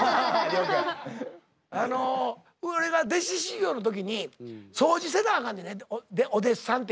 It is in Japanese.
あの俺が弟子修業の時に掃除せなあかんねんねお弟子さんって。